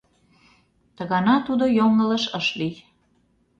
Ты гана тудо йоҥылыш ыш лий.